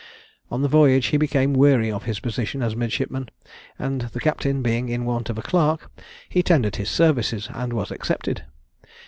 On the voyage he became weary of his position as a midshipman, and the captain being in want of a clerk, he tendered his services and was accepted.